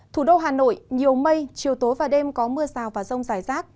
thủ đô hà nội nhiều mây chiều tối và đêm có mưa rào và rông rải rác